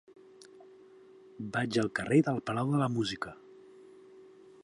Vaig al carrer del Palau de la Música.